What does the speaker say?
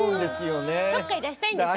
ちょっかい出したいんですよね。